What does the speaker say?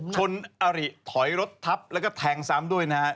อริถอยรถทับแล้วก็แทงซ้ำด้วยนะฮะ